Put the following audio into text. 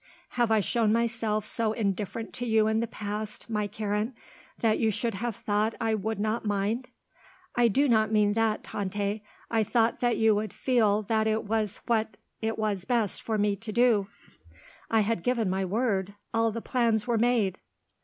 "Have I shown myself so indifferent to you in the past, my Karen, that you should have thought I would not mind?" "I do not mean that, Tante. I thought that you would feel that it was what it was best for me to do. I had given my word. All the plans were made."